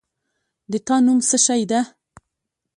د تا نوم څه شی ده؟